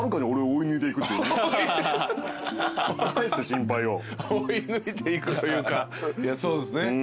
追い抜いていくというかいやそうですね。